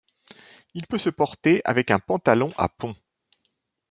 Il peut se porter avec un pantalon à pont.